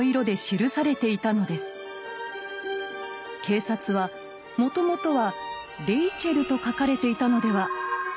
警察は「もともとは『ＲＡＣＨＥＬ』と書かれていたのでは」と推理。